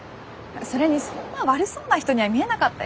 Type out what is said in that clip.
それにそんな悪そうな人には見えなかったよ。